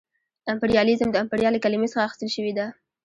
امپریالیزم د امپریال له کلمې څخه اخیستل شوې ده